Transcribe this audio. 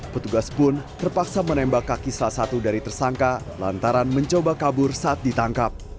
petugas pun terpaksa menembak kaki salah satu dari tersangka lantaran mencoba kabur saat ditangkap